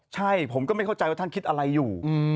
ใช่ผมก็ไม่เข้าใจว่าท่านคิดอะไรอยู่